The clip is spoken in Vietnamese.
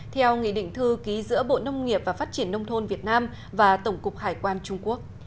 theo nghị định thư ký giữa bộ nông nghiệp và phát triển nông thôn việt nam và tổng cục hải quan trung quốc